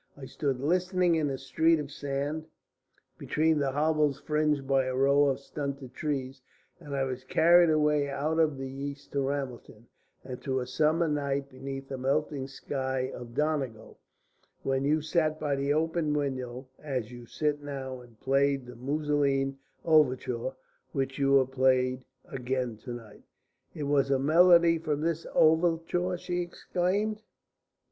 I stood listening in the street of sand, between the hovels fringed by a row of stunted trees, and I was carried away out of the East to Ramelton and to a summer night beneath a melting sky of Donegal, when you sat by the open window as you sit now and played the Musoline Overture, which you have played again to night." "It was a melody from this overture?" she exclaimed.